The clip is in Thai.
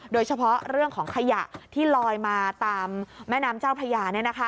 โดยเฉพาะเรื่องของขยะที่ลอยมาตามแม่น้ำเจ้าพระยา